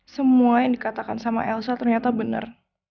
semua yang dikatakan sama elsa ternyata benar